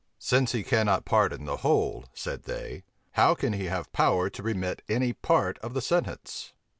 "Since he cannot pardon the whole," said they, "how can he have power to remit any part of the sentence?"